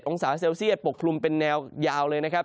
องศาเซลเซียตปกคลุมเป็นแนวยาวเลยนะครับ